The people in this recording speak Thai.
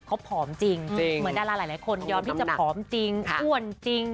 เขาผอมจริงเหมือนดาราหลายคนยอมที่จะผอมจริงอ้วนจริง